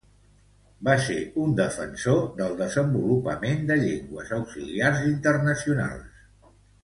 Va ser un defensor del desenvolupament de llengües auxiliars internacionals.